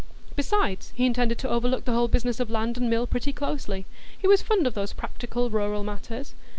Besides, he intended to overlook the whole business of land and mill pretty closely; he was fond of these practical rural matters.